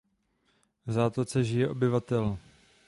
V zátoce žije obyvatel.